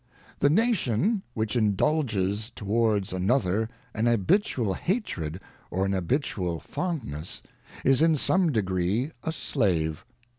ŌĆö The Nation, which indulges towards another an habitual hatred or an habitual fondness, is in some degree a slave.